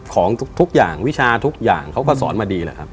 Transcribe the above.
ของทุกอย่างวิชาทุกอย่างเขาก็สอนมาดีแหละครับ